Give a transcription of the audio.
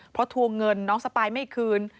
เพราะทวงเงินน้องสปายไม่คืน